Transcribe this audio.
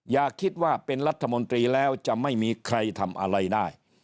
อย่าคิดว่าเป็นรัฐมนตรีแล้วจะไม่มีใครทำอะไรได้